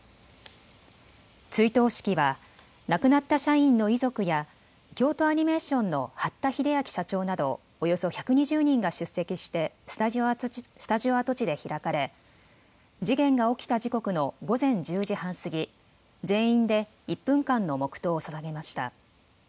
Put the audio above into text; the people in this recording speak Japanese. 追悼式は亡くなった社員の遺族や京都アニメーションの八田英明社長などおよそ１２０人が出席してスタジオ跡地で開かれ、事件が起きた時刻の午前１０時半過ぎ、全員で１分間の黙とうをささげました。